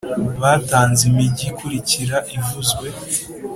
batanze imigi ikurikira ivuzwe